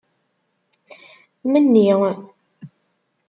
Menni.